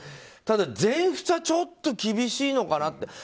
ただ、全仏はちょっと厳しいのかなって。